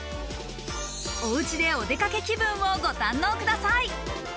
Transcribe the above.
おうちでお出かけ気分をご堪能ください。